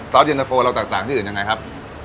เย็นตะโฟเราแตกต่างที่อื่นยังไงครับ